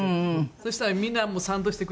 そしたらみんなも賛同してくれて